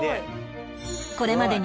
これまでに